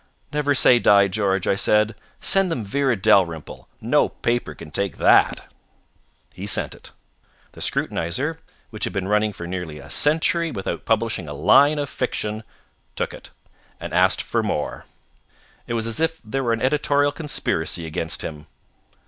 "'Never say die, George,' I said. 'Send them "Vera Dalrymple." No paper can take that.' "He sent it. The Scrutinizer, which had been running for nearly a century without publishing a line of fiction, took it and asked for more. It was as if there were an editorial conspiracy against him."